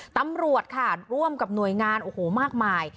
ตำรวจค่ะร่วมกับหน่วยงานโอ้โหมากมาย